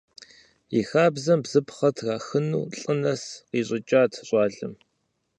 И хабзэм бзыпхъэ трахыу лӀы нэс къищӀыкӀат щӀалэм.